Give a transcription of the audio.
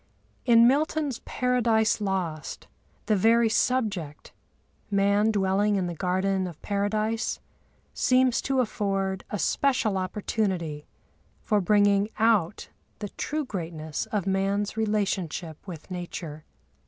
In Milton's Paradise Lost, the very subject—Man dwelling in the garden of Paradise—seems to afford a special opportunity for bringing out the true greatness of man's relationship with Nature.